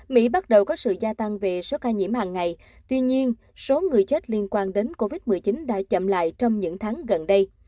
mỹ bắt đầu có sự gia tăng về số ca nhiễm hàng ngày tuy nhiên số người chết liên quan đến covid một mươi chín đã chậm lại trong những tháng gần đây